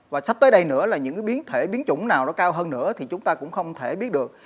và sắp tới đây nữa là những biến thể biến chủng nào nó cao hơn nữa thì chúng ta cũng không thể biết được